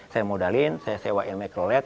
saya modalin saya sewa ilme keled